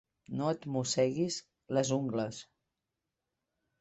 No et mosseguis les ungles.